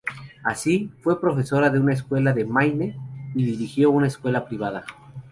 Así, fue profesora en una escuela de Maine y dirigió una escuela privada.